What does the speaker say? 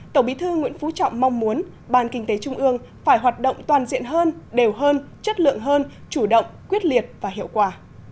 tổng bí thư nguyễn phú trọng mong muốn ban kinh tế trung ương phải hoạt động toàn diện hơn đều hơn chất lượng hơn chủ động quyết liệt và hiệu quả